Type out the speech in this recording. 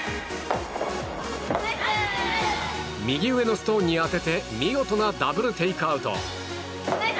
右上のストーンに当てて見事なダブルテイクアウト。